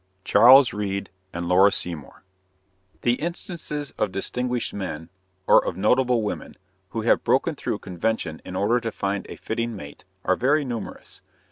CHARLES READE AND LAURA SEYMOUR The instances of distinguished men, or of notable women, who have broken through convention in order to find a fitting mate, are very numerous.